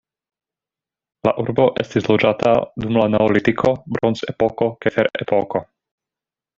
La urbo estis loĝata dum la neolitiko, bronzepoko kaj ferepoko.